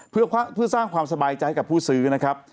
เพื่อสร้างความสบายใจให้กับผู้ซื้อนะครับ